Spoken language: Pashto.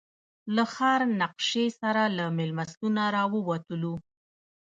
له ښار نقشې سره له مېلمستونه راووتلو.